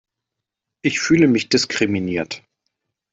Ich fühle mich diskriminiert!